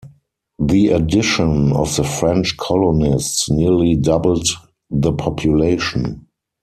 The addition of the French colonists nearly doubled the population.